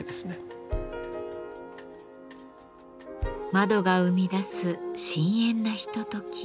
窓が生み出す深遠なひととき。